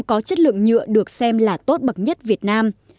cây thông có chất lượng nhựa được xem là tốt bậc nhất việt nam